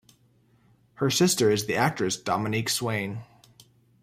Her sister is the actress Dominique Swain.